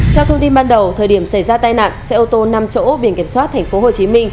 theo thông tin ban đầu thời điểm xảy ra tai nạn xe ô tô năm chỗ biển kiểm soát tp hcm